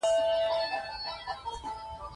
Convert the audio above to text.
حرارتي انقباض په څو مثالونو کې توضیح کړئ.